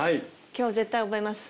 今日絶対覚えます。